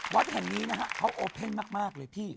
วัดแห่งนี้นะฮะเขาโอเพ่นมากเลยพี่